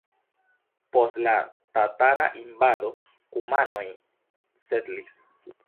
Post la tatara invado kumanoj setlis.